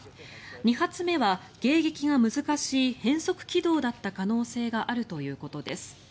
２発目は迎撃が難しい変則軌道だった可能性があるということです。